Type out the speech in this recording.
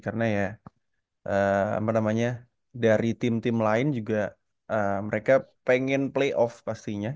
karena ya eh apa namanya dari tim tim lain juga eh mereka pengen play off pastinya